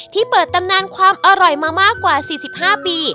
ที่เปิดตำนานความอร่อยมามากกว่า๔๕ปี